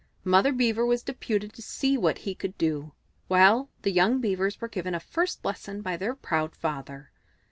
Mother Beaver was deputed to see what he could do, while the young Beavers were given a first lesson by their proud father.